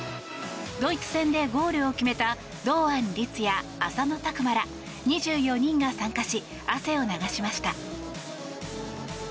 ドイツ戦でゴールを決めた堂安律や浅野拓磨ら２４人が参加し汗を流しました。